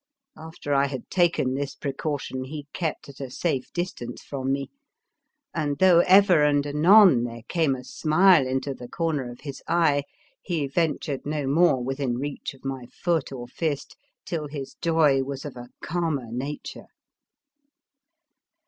After I had taken this precaution, he kept at a safe distance from me, and though ever and anon there came a smile into the corner of his eye, he ventured no more within reach of my foot or fist till his joy was of a calmer nature.